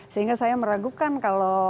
sehingga saya meragukan kalau